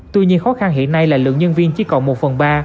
tuy nhiên khó khăn hiện nay là lượng nhân viên chỉ còn một phần ba